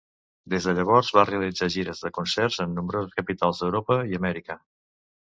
Des de llavors va realitzar gires de concerts en nombroses capitals d'Europa i Amèrica.